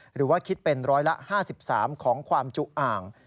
หรือว่าคิดเป็นร้อยละ๕๓ของความจุอ่าง